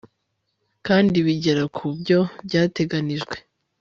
kandi bigera ku byo byateganijwe